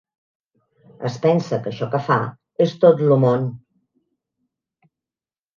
Es pensa que això que fa és tot lo món.